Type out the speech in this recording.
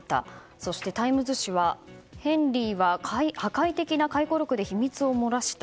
そしてタイムズ紙はヘンリーは破壊的な回顧録で秘密を洩らした。